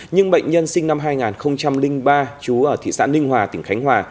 nhưng bệnh nhân sinh năm hai nghìn ba chú ở thị xã ninh hòa tỉnh khánh hòa